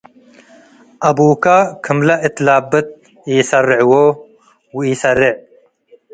አቡከ ክምለ እት ላበት ኢሰርዑዎ ወኢሰርዕ